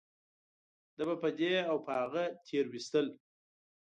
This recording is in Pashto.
ده به په دې او په هغه تېرويستل .